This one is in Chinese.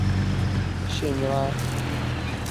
短果百脉根为豆科百脉根属下的一个种。